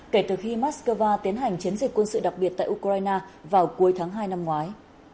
kể từ khi mát x cơ va tiến hành chiến dịch quân sự đặc biệt tại ukraine vào cuối tháng hai năm ngoái